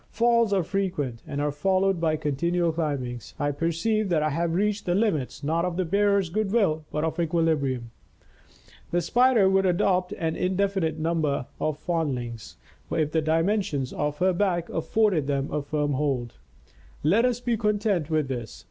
Falls are frequent and are followed by continual climbings. I perceive that I have reached the limits not of the bearer's good will, but of equilibrium. The Spider would adopt an in definite further number of foundlings, if the dimensions of her back afforded them a firm hold. Let us be content with this.